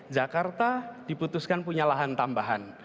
jakarta diputuskan punya lahan tambahan